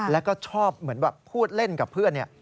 แล้วก็ชอบเหมือนแบบพูดเล่นกับเพื่อน